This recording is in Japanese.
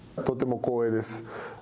とても光栄です。